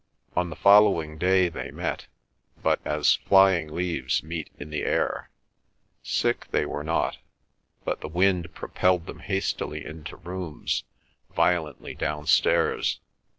On the following day they met—but as flying leaves meet in the air. Sick they were not; but the wind propelled them hastily into rooms, violently downstairs.